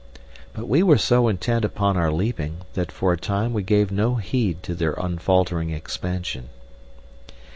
But we were so intent upon our leaping, that for a time we gave no heed to their unfaltering expansion.